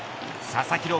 佐々木朗